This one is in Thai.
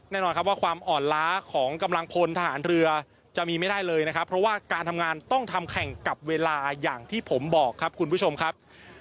แน่นอนครับว่าความอ่อนล้าของกำลังพลทหารเรือจะมีไม่ได้เลยนะครับเพราะว่าการทำงานต้องทำแข่งกับเวลาอย่างที่ผมบอกครับคุณผู้ชมครับ